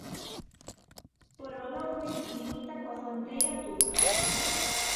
Polo norte, limita coa fronteira turca.